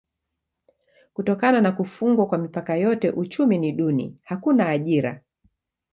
Kutokana na kufungwa kwa mipaka yote uchumi ni duni: hakuna ajira.